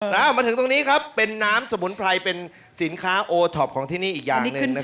แล้วมาถึงตรงนี้ครับเป็นน้ำสมุนไพรเป็นสินค้าโอท็อปของที่นี่อีกอย่างหนึ่ง